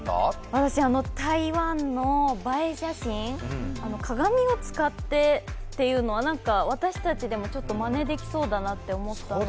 私、台湾の映え写真、鏡を使ってというのはなんか私たちでもまねできそうだなと思って。